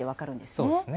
そうですね。